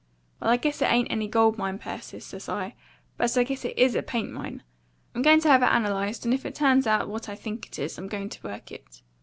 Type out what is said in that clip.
'Well, I guess it ain't any gold mine, Persis,' says I; 'but I guess it IS a paint mine. I'm going to have it analysed, and if it turns out what I think it is, I'm going to work it.